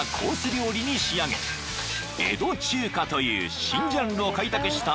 料理に仕上げ江戸中華という新ジャンルを開拓した